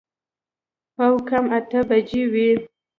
پاو کم اته بجې وې.